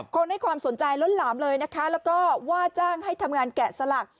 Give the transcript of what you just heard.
ให้ความสนใจล้นหลามเลยนะคะแล้วก็ว่าจ้างให้ทำงานแกะสลัก